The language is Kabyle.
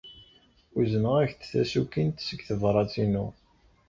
Uzneɣ-ak-d tasukint seg tebṛat-inu.